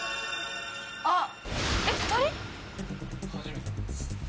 えっ２人？